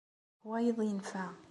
Wayeḍ yenfa.